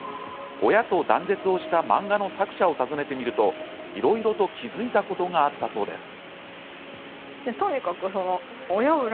親と断絶をした漫画の作者を訪ねてみると、いろいろと気付いたことがあったそうです。